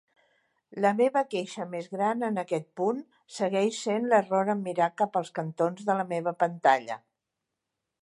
La meva queixa més gran en aquest punt segueix sent l'error en mirar cap als cantons de la meva pantalla.